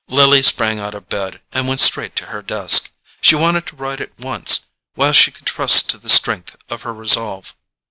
Lily sprang out of bed, and went straight to her desk. She wanted to write at once, while she could trust to the strength of her resolve.